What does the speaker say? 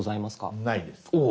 ないです。